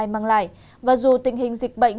mang lại và dù tình hình dịch bệnh